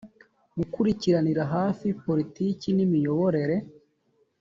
gukurikiranira hafi politiki n imiyoborere